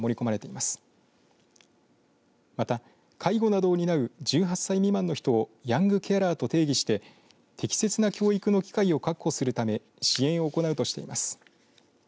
また、介護などを担う１８歳未満の人をヤングケアラーと定義して適切な教育の機会を確保するため支援を行うとしています。